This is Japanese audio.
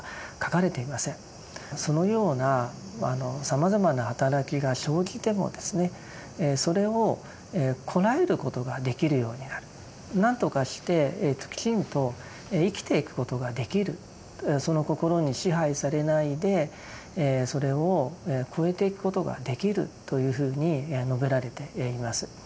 そのようなさまざまな働きが生じてもそれをこらえることができるようになる何とかしてきちんと生きていくことができるその心に支配されないでそれを越えていくことができるというふうに述べられています。